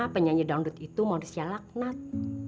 penyanyi dangdut itu modusnya laknat